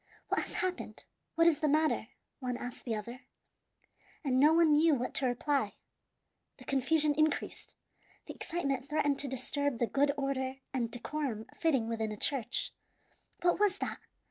"What has happened? What is the matter?" one asked the other, and no one knew what to reply. The confusion increased. The excitement threatened to disturb the good order and decorum fitting within a church. "What was that?"